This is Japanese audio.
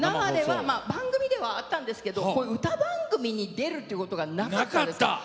番組ではあったんですが歌番組に出ることがなかったんです。